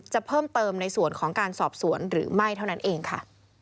จะเพิ่มเติมในส่วนของการสอบสวนหรือไม่เท่านั้นเองค่ะ